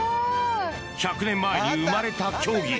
１００年前に生まれた競技。